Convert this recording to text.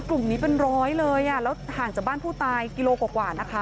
กลุ่มนี้เป็นร้อยเลยอ่ะแล้วห่างจากบ้านผู้ตายกิโลกว่านะคะ